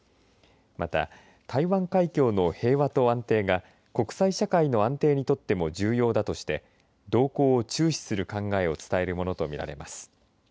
また、台湾海峡の平和と安定が国際社会の安定にとっても重要だとして動向を注視する考えを伝えるものと見られます。